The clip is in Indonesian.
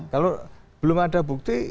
kalau belum ada bukti